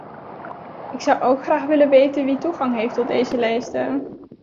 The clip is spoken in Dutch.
Ik zou ook graag willen weten wie toegang heeft tot deze lijsten.